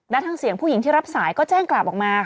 และทางเสียงผู้หญิงที่รับสายก็แจ้งกลับออกมา